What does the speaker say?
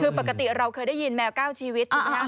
คือปกติเราเคยได้ยินแมวเก้าชีวิตถูกหรือเปล่า